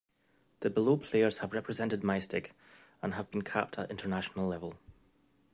The below players have represented Maesteg and have been capped at international level.